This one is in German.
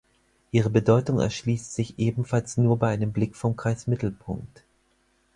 Ihre Bedeutung erschließt sich ebenfalls nur bei einem Blick vom Kreismittelpunkt.